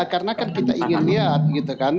karena kan kita ingin lihat gitu kan